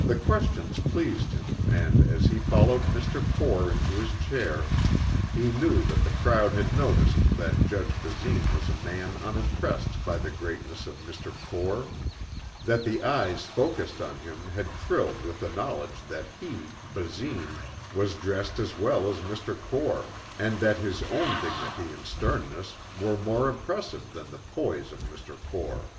The questions pleased him and as he followed Mr. Core into his chair he knew that the crowd had noticed that Judge Basine was a man unimpressed by the greatness of Mr. Core, that the eyes focussed on him had thrilled with the knowledge that he, Basine, was dressed as well as Mr. Core and that his own dignity and sternness were more impressive than the poise of Mr. Core.